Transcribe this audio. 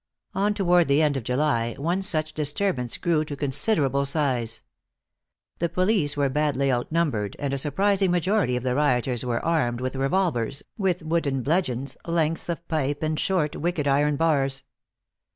On toward the end of July one such disturbance grew to considerable size. The police were badly outnumbered, and a surprising majority of the rioters were armed, with revolvers, with wooden bludgeons, lengths of pipe and short, wicked iron bars.